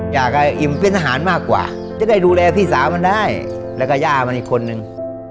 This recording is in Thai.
อยากให้อิ่มเป็นทหารมากกว่าจะได้ดูแลพี่สาวมันได้แล้วก็ย่ามันอีกคนนึง